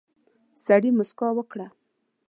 سړي موسکا وکړه.